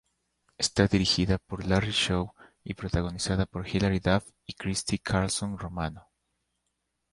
Está dirigida por Larry Shaw y protagonizada por Hilary Duff y Christy Carlson Romano.